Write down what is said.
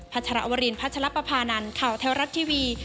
ชรวรินพัชรปภานันข่าวแท้รัฐทีวี